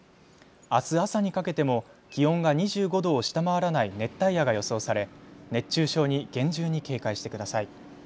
あす朝にかけても気温が２５度を下回らない熱帯夜が予想され熱中症に厳重に警戒してください。